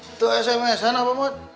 itu sms an abah